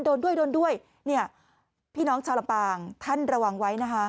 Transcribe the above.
โดนด้วยโดนด้วยเนี่ยพี่น้องชาวลำปางท่านระวังไว้นะคะ